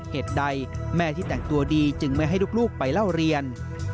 เหตุใดแม่ที่แต่งตัวดีจึงไม่ให้ลูกไปเล่าเรียน